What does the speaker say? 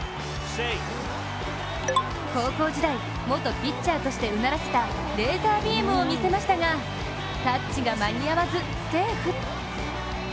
高校時代、元ピッチャーとしてうならせたレーザービームを見せましたがタッチが間に合わずセーフ。